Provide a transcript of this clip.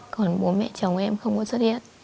còn bố mẹ chồng em không có xuất hiện